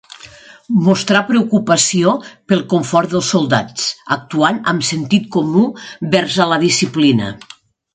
Mostrà preocupació pel confort dels soldats, actuant amb sentit comú vers a la disciplina.